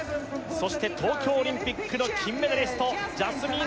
そして東京オリンピックの金メダリストジャスミン